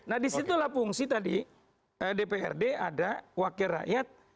nah di situlah fungsi tadi dprd ada wakil rakyat